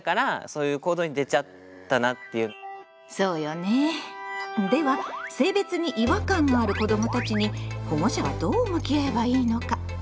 そうよねでは性別に違和感がある子どもたちに保護者はどう向き合えばいいのか。